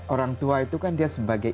orang tua itu kan dia sebagai